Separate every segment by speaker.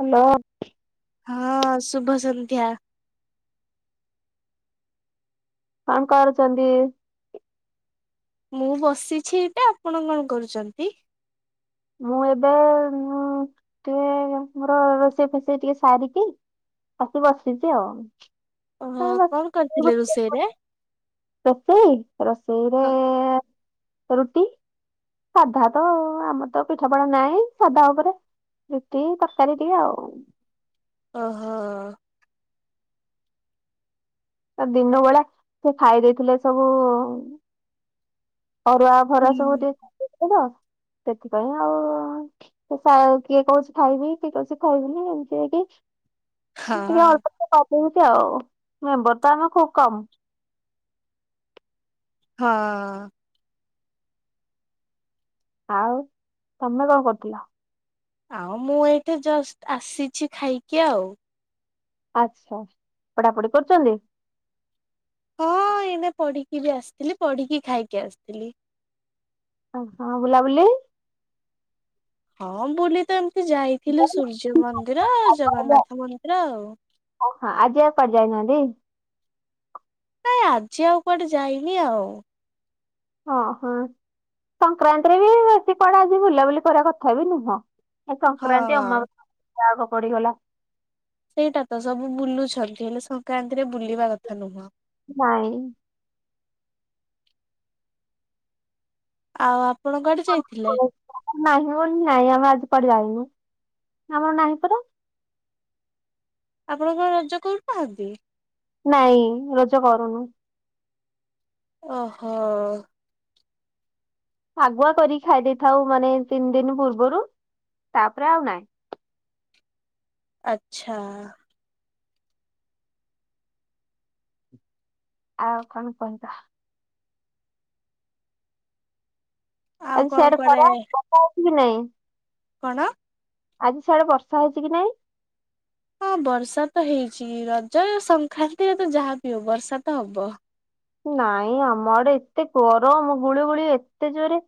Speaker 1: Hello.
Speaker 2: ହଁ ଶୁଭ ସନ୍ଧ୍ୟା।
Speaker 1: କଣ କରୁଚନ୍ତି?
Speaker 2: ମୁଁ ବସିଛି ଏଟା ଆପଣ କଣ କରୁଛନ୍ତି?
Speaker 1: ମୁଁ ଏବେ ଟିକେ ମୋର ରୋଷେଇ ଫୋସେଇ ଟିକେ ସାରିକି ଆସି ବସିଛି ଆଉ। ଏ
Speaker 2: ଓହୋ
Speaker 1: ବସ-
Speaker 2: କଣ କରିଥିଲେ ରୋଷେଇରେ?
Speaker 1: ରୋଷେଇ ରୋଷେଇରେ ରୁଟି ସାଧା ତ ଆମର ତ ପିଠା ପଣା ନାହିଁ ସାଧା ଉପରେ। ରୁଟି ତରକାରୀ ଟିକେ ଆଉ।
Speaker 2: ଓହୋ।
Speaker 1: ତା ଦିନ ବେଳା ସେ ଖାଇ ଦେଇଥିଲେ ସବୁ ଅରୁଆ ଭରୁଆ ସବୁ
Speaker 2: ହୁଁ।
Speaker 1: ଟିକେ ଚାଲି ତ ସେଥିପାଇଁ ଆଉ। କିଏ କହୁଛି ଖାଇବି କିଏ କହୁଛି ଖାଇବିନି ଏମିତି ହେଇକି ଟିକେ
Speaker 2: ହଁ
Speaker 1: ଅଳ୍ପ କରିଦଉଛି ଆଉ ମେମ୍ବର ତ ଆମ ଖୁବ କମ୍।
Speaker 2: ହଁ।
Speaker 1: ଆଉ ତମେ କଣ କରୁଥିଲ?
Speaker 2: ଆଉ ମୁଁ ଏଇଠି ଜଷ୍ଟ ଆସିଛି ଖାଇକି ଆଉ।
Speaker 1: ଆଚ୍ଛା ପଢାପଢି କରୁଚନ୍ତି?
Speaker 2: ହଁ ଏଇନା ପଢିକି ବି ଆସିଥିଲି ପଢିକି ଖାଇକି ଆସିଥିଲି।
Speaker 1: ଓ ହଁ ବୁଲାବୁଲି?
Speaker 2: ହଁ ବୁଲି ତ ଏମତି ଯାଇଥିଲୁ ସୂର୍ଯ୍ୟ ମନ୍ଦିର ଜଗନ୍ନାଥ ମନ୍ଦିର ଆଉ।
Speaker 1: ଓହୋ ଆଜି ଆଉ କୁଆଡେ ଯାଇନାହାନ୍ତି?
Speaker 2: ନାଇଁ ଆଜି ଆଉ କୁଆଡେ ଯାଇନି ଆଉ।
Speaker 1: ଓହୋ ସଂକ୍ରାନ୍ତିରେ ବି ବେଶୀ କୁଆଡା ଆଜି ବୁଲାବୁଲି କରିବା କଥା ବି ନୁହଁ। ଏ
Speaker 2: ହଁ।
Speaker 1: ସଂକ୍ରାନ୍ତି ଅମାବସ୍ୟା [unintelligible] ପଡିଗଲା।
Speaker 2: ସେଇଟା ତ ସବୁ ବୁଲୁଛନ୍ତି ହେଲେ ସଂକ୍ରାନ୍ତିରେ ବୁଲିବା କଥା ନୁହଁ।
Speaker 1: ନାଇଁ।
Speaker 2: ଆଉ ଆପଣ କୁଆଡେ ଯାଇଥିଲେ?
Speaker 1: ନାହିଁ ବୋଲି ନାଇଁ ଆମେ ଆଜି କୁଆଡେ ଯାଇନୁ ଆମର ନାହିଁ ପରା।
Speaker 2: ଆପଣ କଣ ରଜ କରୁନାହାନ୍ତି?
Speaker 1: ନାଇଁ ରଜ କରୁନୁ।
Speaker 2: ଓହୋ।
Speaker 1: ଆଗୁଆ କରିିକି ଖାଇ ଦେଇଥାଉ ମାନେ ତିନି ଦିନ ପୂର୍ବରୁ ତାପରେ ଆଉ ନାଇଁ।
Speaker 2: ଆଚ୍ଛା।
Speaker 1: ଆଉ କଣ କୁହନ୍ତୁ? ଆ
Speaker 2: ଆଉ କଣ
Speaker 1: ସେଆଡା
Speaker 2: କୁଆଡେ
Speaker 1: ଖରା ବର୍ଷା ହଉଛି କି ନାଇଁ?
Speaker 2: କଣ?
Speaker 1: ଆଜି ସିଆଡେ ବର୍ଷା ହେଇଛି କି ନାଇଁ?
Speaker 2: ହଁ ବର୍ଷା ତ ହେଇଛି ରଜ ସଂକ୍ରାନ୍ତିରେ ତ ଯାହା ବି ହବ ବର୍ଷା ତ ହବ।
Speaker 1: ନାଇଁ ଆମ ଆଡେ ଏତେ ଗରମ ଗୁଳିୁ ଗୁଳି ଏତେ ଜୋରେ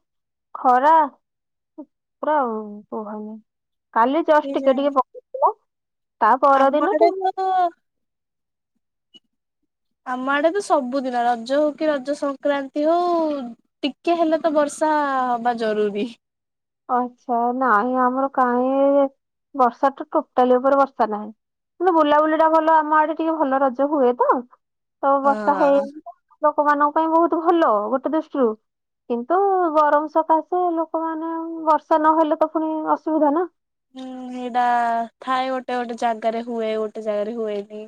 Speaker 1: ଖରା ପୁରା କୁହନି। କାଲି ଜଷ୍ଟ ଟିକେ ଟିକେ
Speaker 2: କେଜାଣି
Speaker 1: ପକଉଥିଲା ତା
Speaker 2: ଆମ
Speaker 1: ପରଦିନ
Speaker 2: ଆଡେ
Speaker 1: ଟି
Speaker 2: ତ
Speaker 1: [unintelligible]
Speaker 2: [inaudible] ଆମ ଆଡେ ତ ସବୁଦିନ ରଜ ହଉ କି ରଜ ସଂକ୍ରାନ୍ତି ହଉ ଟିକେ ହେଲେ ତ ବର୍ଷା ହବା ଜରୁରୀ।
Speaker 1: ଆଚ୍ଛା ନାହିଁ ଆମର କାହିଁ ବର୍ଷାଠୁ ଟୋଟାଲି ଉପରେ ବର୍ଷା ନାହିଁ। କିନ୍ତୁ ବୁଲାବୁଲି ଟା ଭଲ ଆମ ଆଡେ ଟିକେ ଭଲ ରଜ ହୁଏ ତ ତ ବର୍ଷା ହେଇ
Speaker 2: ହଁ।
Speaker 1: ଲୋକମାନଙ୍କ ପାଇଁ ବହୁତ ଭଲ ଗୋଟେ ଦୃଷ୍ଟିରୁ କିନ୍ତୁ ଗରମ ସକାଶେ ଲୋକମାନେ ବର୍ଷା ନହେଲେ ତ ପୁଣି ଅସୁବିଧା ନା।
Speaker 2: ହୁଁ ସେଇଟା ଥାଏ ଗୋଟେ ଗୋଟେ ଜାଗାରେ ହୁଏ ଗୋଟେ ଜାଗାରେ ହୁଏନି।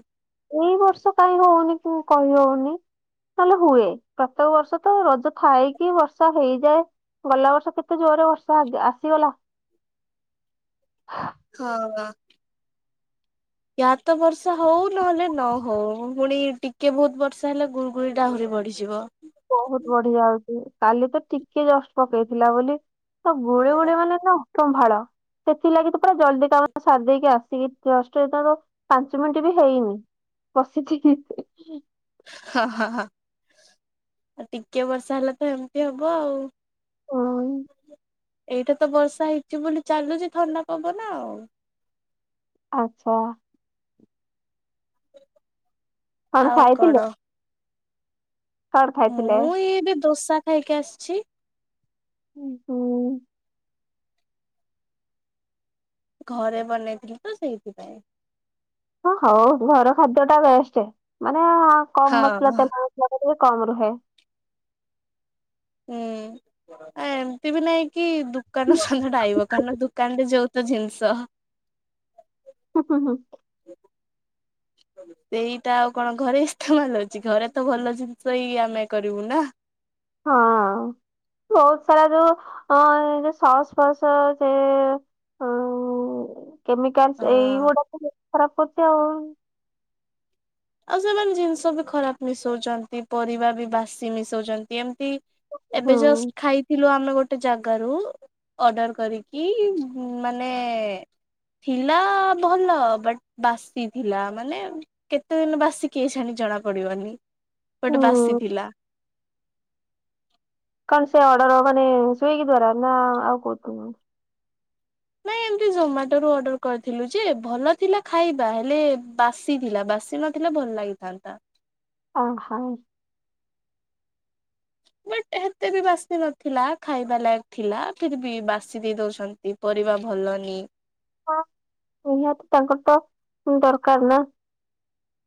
Speaker 1: ଏଇ ବର୍ଷ କାହିଁକି ହଉନି କହିହଉନି। ନହେଲେ ହୁଏ ପ୍ରତ୍ୟେକ ବର୍ଷ ତ ରଜ ଥାଇକି ବର୍ଷା ହେଇଯାଏ। ଗଲା ବର୍ଷ କେତେ ଜୋରରେ ବର୍ଷାଗ ଆସିଗଲା।
Speaker 2: ହଁ। ୟା ତ ବର୍ଷା ହଉ ନହେଲେ ନ ହଉ ପୁଣି ଟିକେ ବହୁତ ବର୍ଷା ହେଲେ ଗୁଳୁଗୁଳି ଟା ଆହୁରି ବଢିଯିବ।
Speaker 1: ବହୁତ ବଢି ଯାଉଛି କାଲି ତ ଟିକେ ଜଷ୍ଟ ପକେଇଥିଲା ବୋଲି ତ ଗୁଳି ଗୋଳି ମାନେ ଅସମ୍ଭାଳ ସେଥିଲାଗି ତ ପୁରା ଜଲଦି କାମ ସାରି ଦେଇକି ଆସ୍ କି ଜଷ୍ଟ ତ ପାଞ୍ଚ ମିନିଟ ବି ହେଇନି ବସିଛି।
Speaker 2: ହଁ ହଁ ହଁ। ଆଉ ଟିକେ ବର୍ଷା ହେଲେ ତ ଏମିତି ହବ ଆଉ।
Speaker 1: ହୁଁ,
Speaker 2: ଏଇଟା ତ ବର୍ଷା ହେଇଛି ବୋଲି ଚାଲୁଛି ଥଣ୍ଡା ପବନ ଆଉ।
Speaker 1: ଆଚ୍ଛା। କଣ
Speaker 2: ଆଉ
Speaker 1: ଖାଇଥିଲେ
Speaker 2: କଣ?
Speaker 1: କଣ ଖାଇଥିଲେ?
Speaker 2: ମୁଁ ଏଇ ଏବେ ଦୋସା ଖାଇକି ଆସିଛି।
Speaker 1: ହୁଁ ହୁଁ।
Speaker 2: ଘରେ ବନେଇଥିଲି ତ ସେଇଥିପାଇଁ।
Speaker 1: ହ ହଉ ଘର ଖାଦ୍ୟ ଟା ବେଷ୍ଟ ମାନେ କମ ମସଲା
Speaker 2: ହଁ।
Speaker 1: [unintelligible] [unintelligible] ଟିକେ କମ ରୁହେ।
Speaker 2: ହୁଁ ଏମିତି ବି ନାଇଁ କି
Speaker 1: ହୁଁ
Speaker 2: ଦୋକାନ ସନ୍ଧ୍ୟାଟା ଆଇବ କାରଣ ଦୋକାନ ରେ ଯଉ ତ ଜିନିଷ
Speaker 1: ହୁଁ ହୁଁ ହୁଁ।
Speaker 2: ସେଇଟା ଆଉ କଣ ଘରେ ଇସ୍ତେମାଲ ଅଉଛି ଘରେ ତ ଭଲ ଜିନିଷ ହେଇ ଆମେ କରିବୁ ନା।
Speaker 1: ହଁ। ବହୁତ ସାରା ଯୋଉ ଅ ଯୋଉ ସସ ଫସ ସେ
Speaker 2: [inaudible]
Speaker 1: କେମିକାଲ
Speaker 2: ହଁ
Speaker 1: ଏଇଗୁଡା ଖରାପ କରୁଛି ଆଉ।
Speaker 2: ଆଉ ସେମାନେ ଜିନିଷ ବି ଖରାପ ମିଶଉଛନ୍ତି ପରିବା ବି ବାସି ମିଶଉଛନ୍ତି ଏମିତି ଏବେ
Speaker 1: ହୁଁ
Speaker 2: ଜଷ୍ଟ ଖାଇ ଥିଲୁ ଆମେ ଗୋଟେ ଜାଗାରୁ ଅର୍ଡର କରିକି ମାନେ ଥିଲା ଭଲ ବଟ୍ ବାସିଥିଲା ମାନେ ସେତେ ଦିନ ବାସି କିଏ ଛାଣି ଜଣା ପଡିବନି ବଟ୍ ବାସି
Speaker 1: ହୁଁ
Speaker 2: ଥିଲା।
Speaker 1: କଣ ସେ ଅର୍ଡର ହ ମାନେ ସ୍ଵିଗି ଦ୍ଵାରା ନା ଆଉ କୋଉଥିରୁ?
Speaker 2: ନାଇଁ ଏମତି ଜୋମାଟୋ ରୁ ଅର୍ଡର କରିଥିଲୁ ଯେ ଭଲ ଥିଲା ଖାଇବା ହେଲେ ବାସି ଥିଲା ବାସ୍। ନଥିଲେ ଭଲ ଲାଗିଥାନ୍ତା।
Speaker 1: ଅଁ ଖଁ।
Speaker 2: ବଟ ଏତେ ବି ବାସି ନଥିଲା ଖାଇବା ଲାୟକ ଥିଲା ଫିର ବି ବାସି ଦେଇ ଦଉଛନ୍। କିପରିବା ଭଲନି
Speaker 1: ହଁ ନିହାତି ତାଙ୍କର ତ ଦରକାର ନା।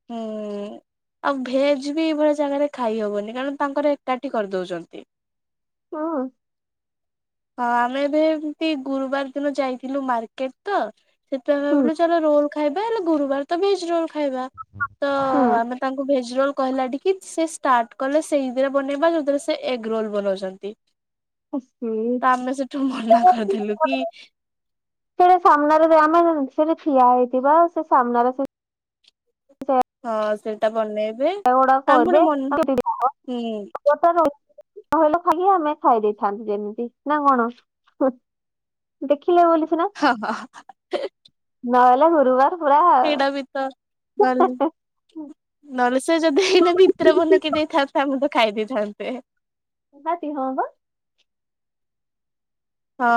Speaker 2: ହୁଁ। ଆଉ ଭେଜ ବି ଏଇଭଳିଆ ଜାଗାରେ ଖାଇହବନି କାରଣ ତାଙ୍କର ଏକାଠି କରିଦଉଛନ୍ତି।
Speaker 1: ହଁ।
Speaker 2: ହଁ ଆମେ ବି ଏମତି ଗୁରୁବାର ଦିନ ଯାଇଥିଲୁ ମାର୍କେଟ ତ ସେଥିପାଇଁ ଆମେ
Speaker 1: ହୁଁ
Speaker 2: ଭାବିଲୁ ଚାଲ ରୋଲ ଖାଇବା ହେଲେ ଗୁରୁବାର ତ ଭେଜ ରୋଲ ଖାଇବା ତ ଆମେ ତାଙ୍କୁ ଭେଜ ରୋଲ କହିଲା ଟିକ କି ସେ ଷ୍ଟାର୍ଟ କଲେ ସେଇଥିରେ ବନେଇବା ଯେଉଁଥିରେ ସେ ଏଗ ରୋଲ ବନଉଛନ୍ତି। ତ ଆମେ ସେଠୁ ମନା କରିଦେଲୁ କି
Speaker 1: [unintelligible] ହେଲେ ସାମ୍ନାରେ ଆମେ ସେଠି ଠିଆ ହେଇଥିବା ସେ ସାମ୍ନାରେ
Speaker 2: ହଁ ସେଇଟା ବନେଇବେ
Speaker 1: ଜାଗା ଗୁଡା
Speaker 2: ଆଉ
Speaker 1: କରିବେ
Speaker 2: ପୁଣି ମ
Speaker 1: ଆମେ
Speaker 2: ହୁଁ
Speaker 1: କହିଲ ଖାଲି ଆମେ ଖାଇ ଦେଇଥାନ୍ତୁ ଯେମିତି ନା କଣ? ଦେଖିଲେ ବୋଲି ସିନା।
Speaker 2: ହଁ ହଁ।
Speaker 1: ନହେଲେ ଗୁରୁବାର ପୁରା
Speaker 2: ସେଇଟା ବି ତ ଭଲ ନହେଲେ ସେ ଯଦି ହେଇନା ଭିତରେ ବନେଇକି ଦେଇଥାନ୍ତି ଆମେ ତ ଖାଇ ଦେଇଥାନ୍ତେ।
Speaker 1: ନିହାତି ହଁ ବା।
Speaker 2: ହଁ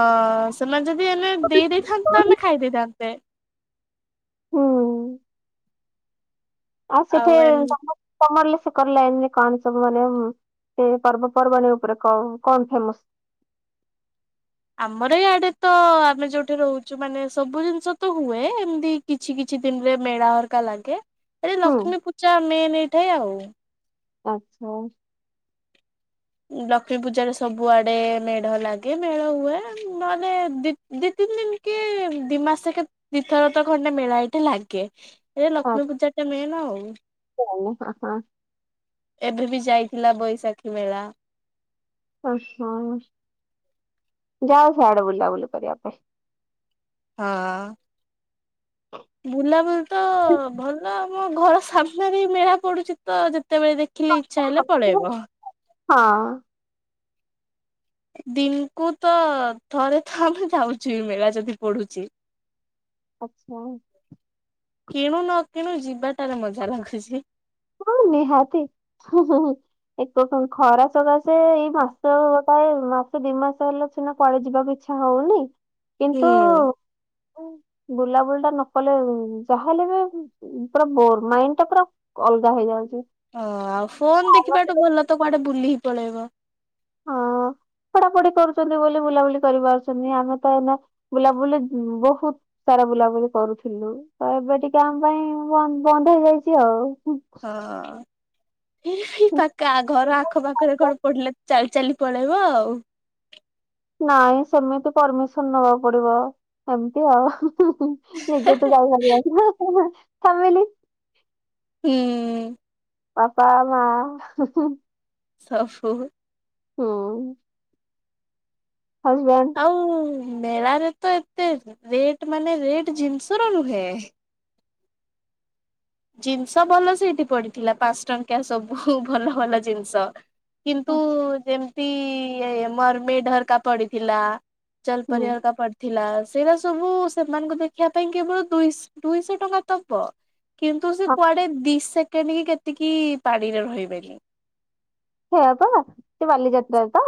Speaker 2: ସେମାନେ ଯଦି ଏଇନେ ଦେଇ ଦେଇଥାନ୍ତେ ତ ଆମେ ଖାଇ ଦେଇଥାନ୍ତେ।
Speaker 1: ହୁଁ ଆଉ ସେଠି ତମ [unintelligible] କଣ ସବୁ ମାନେ ସେ ପର୍ବପର୍ବାଣି ଉପରେ କ କଣ ଫେମସ୍?
Speaker 2: ଆମର ଇଆଡେ ତ ଆମେ ଯୋଉଠି ରହୁଛୁ ମାନେ ସବୁ ଜିନିଷ ତ ହୁଏ ଏମିତି କିଛି କିଛି ଦିନରେ ମେଳା ହରକା ଲାଗେ ଏ
Speaker 1: ହୁଁ
Speaker 2: ଲକ୍ଷ୍ମୀ ପୂଜା ମେନ ଏଇଠେ ଆଉ।
Speaker 1: ଆଚ୍ଛା।
Speaker 2: ଲକ୍ଷ୍ମୀ ପୂଜାରେ ସବୁଆଡେ ମେଢ ଲାଗେ ମେଢ ହୁଏ ନହେଲେ ଦି ତିନି ଦିନ କେ ଦି ମାସକ ଦିଥର ତ ଖଣ୍ଡେ ମେଳା ଏଇଠେ ଲାଗେ। ଏ ଲକ୍ଷ୍ମୀ ପୂଜା ଟା ମେନ ଆଉ।
Speaker 1: ହ [unintelligible]
Speaker 2: ଏବେ ବି ଯାଇଥିଲା ବୈଶାଖୀ ମେଳା।
Speaker 1: ଅ ହଁ, ଯାଉ ସିଆଡେ ବୁଲାବୁଲି କରିବା ପାଇଁ।
Speaker 2: ହଁ।
Speaker 1: [unintelligible]
Speaker 2: ବୁଲାବୁଲି ତ ଭଲ ଆମ ଘର ସାମ୍ନାରେ ମେଳା ହିଁ ପଡୁଛି ତ ଯେତେବେଳେ ଦେଖ ଖିଲେ ଇଚ୍ଛା ହେଲେ ପଳେଇବ।
Speaker 1: ହଁ।
Speaker 2: ଦିନକୁ ତ ଥରେ ତ ଆମେ ଯାଉଛୁ ମେଳା ଯଦି ପଢୁଛି। [inaudible]
Speaker 1: ଆଚ୍ଛା।
Speaker 2: କିଣୁ ନ କିଣୁ ଯିବାଟାରେ ମଜା ଲାଗୁଛି।
Speaker 1: ହଁ ନିହାତି, ଏକ ଖରା ସକାସେ ଏଇ ମାସ ପ୍ରାୟ ମାସେ ଦି ମାସ ହେଲା ସିନା କୁଆଡେ ଯିବାକୁ ଇଚ୍ଛା ହଉନି
Speaker 2: ହୁଁ
Speaker 1: କିନ୍ତୁ ବୁଲାବୁଲି ଟା ନ କଲେ ଯାହାଲେ ବି ପୁରା ବୋର ମାଇଣ୍ଡ ଟା ପୁରା ଅଲଗା ହେଇଯାଉଛି।
Speaker 2: ଓଁ ଆଉ ଫୋନ ଦେଖିବାଠୁ ଭଲ ତ କୁଆଡେ ବୁଲି ହି ପଳେଇବ।
Speaker 1: ହଁ ପଢାପଢି କରୁଛନ୍ତି ବୋଲି ବୁଲାବୁଲି କରିପାରୁଛନ୍ତି ଆମେ ତ ଏନା ବୁଲାବୁଲି ବହୁତ ସାରା ବୁଲାବୁଲି କରୁଥିଲୁ ତ ଏବେ ଟିକେ ଆମ ପାଇଁ ବନ୍ଦ ହେଇଯାଇଛି ଆଉ।
Speaker 2: ହଁ ପାକ ଘର ଆଖ ପାଖରେ କୁଆଡେ ପଡ଼ିଲେ ଚାଲି ଚାଲି ପଳେଇବ ଆଉ।
Speaker 1: ନାଇଁ ସେମିତି ପରମିସନ ନବାକୁ ପଡିବ ଏମିତି ଆଉ। [unintelligible] ନିଜେ ତ ଯାଇପାରିବ, କିନ୍ତୁ ଫ୍ୟାମିଲି
Speaker 2: ହୁଁ।
Speaker 1: ବାପା ମା।
Speaker 2: ଶାଶୁ।
Speaker 1: ହୁଁ। ହଜବ୍ୟାଣ୍ଡ।
Speaker 2: ଆଉ ମେଳାରେ ତ ଏତେ ରେଟ ମାନେ ରେଟ ଜିନିଷ ର ନୁହେଁ। ଜିନିଷ ଭଲ ସେଇଠି ପଡିଥିଲା ପାଞ୍ଚ ଟଙ୍କିଆ ସବୁ ଭଲ ଭଲ ଜିନିଷ। କିନ୍ତୁ ଯେମତି ମର୍ମେଡ ହେରକା ପଡିଥିଲା। ଚଲ
Speaker 1: ହୁଁ
Speaker 2: ପରି ହାରା ପଡ୍ ଥିଲା ସେଇରା ସବୁ ସେମାନଙ୍କୁ ଦେଖିବା ପାଇଁ କେବଳ ଦୁଇ ଦୁଇଶହ ଟଙ୍କା ଦବ। କିନ୍ତୁ ସେ
Speaker 1: ହଁ
Speaker 2: କୁଆଡେ ଦିଶ ସେକେଣ୍ଡ କି କେତିକି ପାଡିରେ ରହିବେନି।
Speaker 1: ସେୟା ପା ସେ ବାଲିଯାତ୍ରାରେ ତ।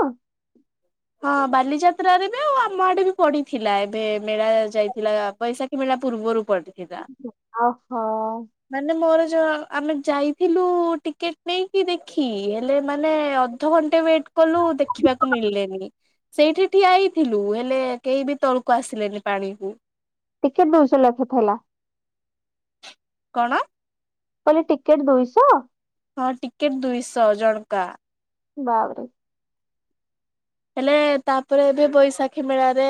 Speaker 2: ହଁ ବାଲିଯାତ୍ରାରେ ବି ଆଉ ଆମ ଆଡେ ବି ପଡିଥିଲା ଏବେ ମେଳା ଯାଇଥିଲା ପଇସା କି ମେଳା ପୂର୍ବରୁ ପଡ଼
Speaker 1: ଓହୋ।
Speaker 2: ମାନେ ମୋର ଯ ଆମେ ଯାଇଥିଲୁ ଟିକେଟ ନେଇକି ଦେଖି ହେଲେ ମାନେ ଅଧଘଣ୍ଟେ ୱେଟ୍ କଲୁ ଦେଖିବାକୁ ମିଳିଲେନି। ସେଇଠି ଠିଆ ହେଇଥିଲୁ ହେଲେ କେହି ବି ତଳକୁ ଆସିଲେନି ପାଣିକୁ।
Speaker 1: ଟିକେଟ ଦଉଛ ଲକ୍ଷ ଥିଲା।
Speaker 2: କଣ?
Speaker 1: କହିଲି ଟିକେଟ ଦୁଇଶ?
Speaker 2: ହଁ ଟିକେଟ ଦୁଇଶ ଜଣକା।
Speaker 1: ବାବରେ।
Speaker 2: ହେଲେ ତାପରେ ଏବେ ବୈଶାଖୀ ମେଳାରେ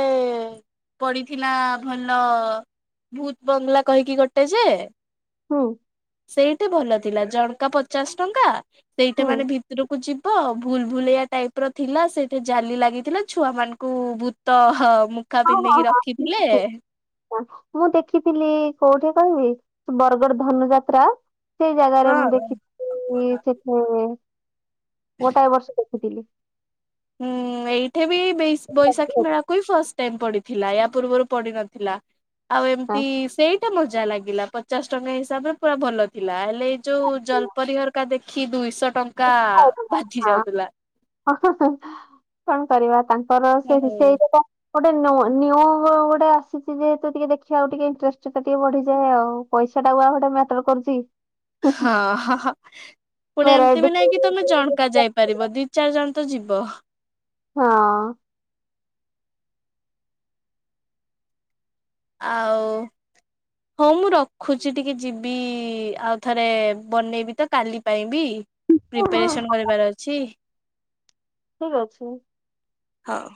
Speaker 2: ପଡିଥିଲା ଭଲ ଭୁତ୍‌ ବଙ୍ଗଲା କହିକି ଗୋଟେ ଯେ
Speaker 1: ହୁଁ।
Speaker 2: ସେଇଠି ଭଲ ଥିଲା ଜଣ୍ କା ପଚାଶ ଟଙ୍କା ତେଇଠି
Speaker 1: ହୁଁ
Speaker 2: ମାନେ ଭି ତୁରୁକୁ ଯିବ୍ ଭୁଲ ଭୁଲେୟା ଟାଇପ ର ଥିଲା ସେ ତେ ଜାଲି ଲାଗିଥିଲା ଛୁଆ ମାନ୍‌ଙ୍କୁ ଭୂତ ହ ମୁଖା
Speaker 1: ହଁ
Speaker 2: ପିନ୍
Speaker 1: ହଁ ହଁ
Speaker 2: ପିନ୍ଧେଇକିରଖିଥିଲେ।
Speaker 1: ମୁଁ ଦେଖିଥିଲି କୋଉଠି କହିବି ବରଗଡ ଧନୁଯାତ୍ରା ସେଇ ଜାଗାରେ
Speaker 2: ହଁ।
Speaker 1: ମୁଁ ଦେଖି ଲି ଯେ ହୁଁ ଉଁ ଗୋଟାଏ ବର୍ଷ ଦେଖିଥିଲି।
Speaker 2: ହୁଁ ଏଇଠି ବି ବୈ ବୈଶାଖୀ ମେଳା କୁଇ ଫାଷ୍ଟ ଟାଇମ ପଡିଥିଲା ୟା ପୂର୍ବରୁ ପଡିନଥିଲା ଆଉ ଏମତି
Speaker 1: ହଁ
Speaker 2: ସେଇ ଟା ମଜା ଲାଗିଲା ପଚାଶ ଟଙ୍କା ହିସାବରେ ପୁରା ଭଲ ଥିଲା ହେଲେ ଏଇ ଯୋଉ ଜଲପରିହର କା ଦେଖି ଦୁଇଶ ଟଙ୍କା ବାଧି ଯାଉଥିଲା।
Speaker 1: ହ ହ ହ କଣ କରିବା ତାଙ୍କର ସେ
Speaker 2: ହଁ
Speaker 1: ରୁଷେଇରେ ତ ଗୋଟେ ନୁ ନିୟୁ ଗୋଡେ ଆସିଛି ଯେହେତୁ ଟିକେ ଦେଖି ଆକୁ ଟିକେ ଇଣ୍ଟରେଷ୍ଟ ଟା ଟିକେ ବଢିଯାଏ ଆଉ। ପଇସାଟା ଉଆ ଗୋଟେ ମ୍ୟାଟର କରୁଛି?
Speaker 2: [inaudible] ହଁ ହ ହ ପୁଣି ଏମତି
Speaker 1: ଭେରାଇଟି
Speaker 2: ବି ନାଇଁ କି ତମେ ଜଣ୍ କା ଯାଇପାରିବ ଦି ଚାରି ଜଣ ତ ଯିବ।
Speaker 1: ହଁ।
Speaker 2: ଆଉ? ହଉ ମୁଁ ରଖୁଛି ଟିକେ ଯିବି ଆଉ ଥରେ ବନେଇବି ତ କାଲି ପାଇଁ ବି।
Speaker 1: ହଁ
Speaker 2: ପ୍ରିପାରେସନ କରିବାର ଅଛି।
Speaker 1: ଠିକ ଅଛି।
Speaker 2: ହଉ।